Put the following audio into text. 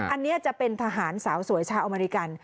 อันนี้จะเป็นทหารสาวสวยชาวอเมริกัน